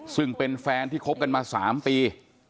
ซึ่งเป็นแฟนที่คบกันมา๓ปี